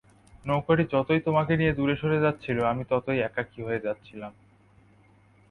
নৌকাটি যতই তোমাকে নিয়ে দূরে সরে যাচ্ছিল, আমি ততই একাকী হয়ে যাচ্ছিলাম।